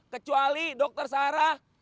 kecuali dokter sarah